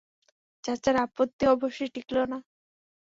চাচার আপত্তি অবশ্যি টিকল না।